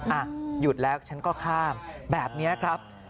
อ่ะหยุดแล้วฉันก็ข้ามแบบนี้ครับ